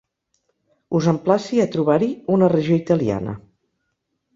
Us emplaci a trobar-hi una regió italiana.